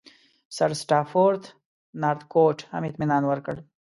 سرسټافورنارتکوټ هم اطمینان ورکړ.